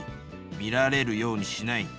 見られるようにしない。